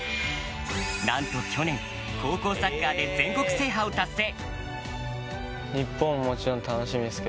なんと去年高校サッカーで全国制覇を達成！